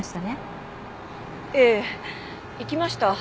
ええ行きました。